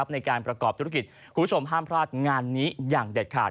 ในการประกอบธุรกิจคุณผู้ชมห้ามพลาดงานนี้อย่างเด็ดขาด